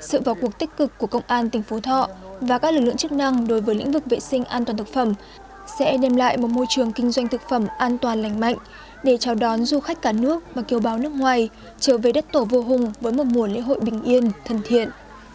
sự vào cuộc tích cực của công an tỉnh phú thọ và các lực lượng chức năng đối với lĩnh vực vệ sinh an toàn thực phẩm sẽ đem lại một môi trường kinh doanh thực phẩm an toàn lành mạnh để chào đón du khách cả nước và kiều bào nước ngoài trở về đất tổ vô hùng với một mùa lễ hội bình yên thân thiện